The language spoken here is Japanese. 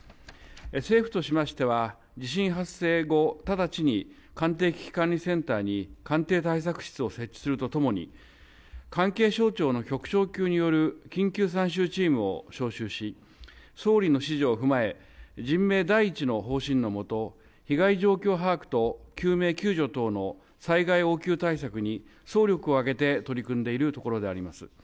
政府としましては地震発生後直ちに官邸危機管理センターに官邸対策室を設置するとともに関係省庁の局長級による緊急参集チームを招集し総理の指示を踏まえ人命第一の方針のもと被害状況把握と救命救助等の災害応急対策に総力を挙げて取り組んでいるところであります。